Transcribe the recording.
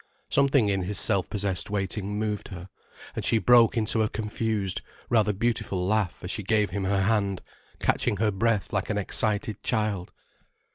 Something in his self possessed waiting moved her, and she broke into a confused, rather beautiful laugh as she gave him her hand, catching her breath like an excited child.